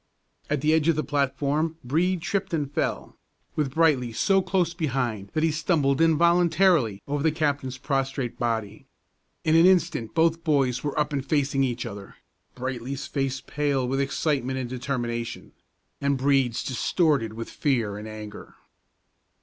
At the edge of the platform Brede tripped and fell, with Brightly so close behind that he stumbled involuntarily over the captain's prostrate body. In an instant both boys were up and facing each other, Brightly's face pale with excitement and determination, and Brede's distorted with fear and anger.